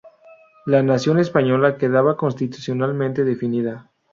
La Nación española quedaba constitucionalmente definida.